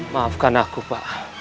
maafkan aku pak